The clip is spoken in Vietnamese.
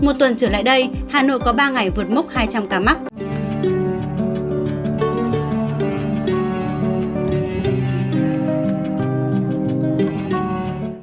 một tuần trở lại đây hà nội có ba ngày vượt mốc hai trăm linh ca mắc